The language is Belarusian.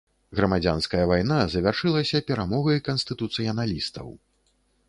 Грамадзянская вайна завяршылася перамогай канстытуцыяналістаў.